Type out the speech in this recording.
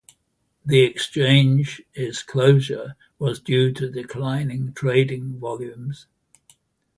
The exchange's closure was due to declining trading volumes.